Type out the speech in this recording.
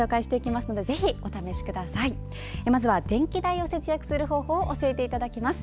まずは電気代を節約する方法を教えていただきます。